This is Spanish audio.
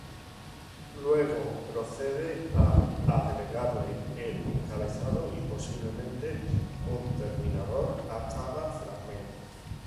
Luego procede a agregarle el encabezado y posiblemente un terminador a cada fragmento.